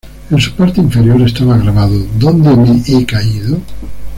En su parte inferior estaba grabado "¿Dónde me he caído?